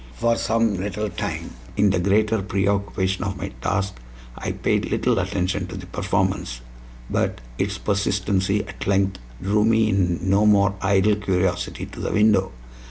For some little time, in the greater preoccupation of my task, I paid little attention to the performance; but its persistency at length drew me in no mere idle curiosity to the window.